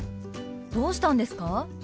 どうしたんですか？